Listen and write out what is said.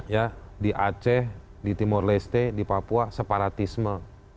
ya di aceh di timur leste di papua separatisme